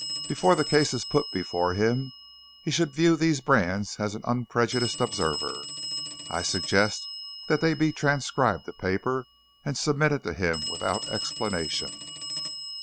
Before the case is put before him, he should view these brands as an unprejudiced observer. I suggest that they be transcribed to paper and submitted to him without explanation."